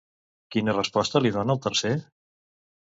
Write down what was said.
Quina resposta li dona el Tercer?